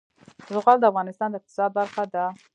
زغال د افغانستان د اقتصاد برخه ده.